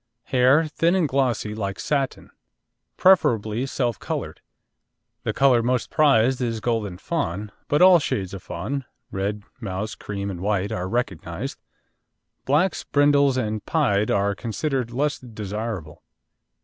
Hair thin and glossy like satin. Preferably self coloured. The colour most prized is golden fawn, but all shades of fawn red, mouse, cream and white are recognised. Blacks, brindles and pied are considered less desirable.